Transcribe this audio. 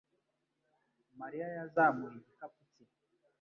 mariya yazamuye igikapu cye